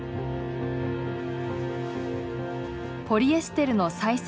ポリエステルの再生